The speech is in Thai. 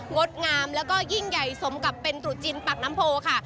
ดงามแล้วก็ยิ่งใหญ่สมกับเป็นตรุษจีนปากน้ำโพค่ะ